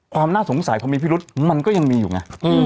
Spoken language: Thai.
ความน่าสงสัยพอมีพิรุษมันก็ยังมีอยู่ไง